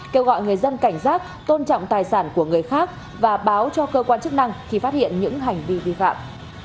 kêu gọi người dân cảnh giác tôn trọng tài sản của người khác và báo cho cơ quan chức năng khi phát hiện những hành vi vi phạm